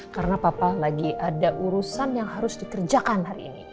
karena papa lagi ada urusan yang harus dikerjakan hari ini